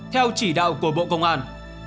theo chỉ đạo của bộ công an